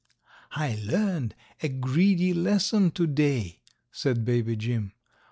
"I learned a greedy lesson to day," said Baby Jim.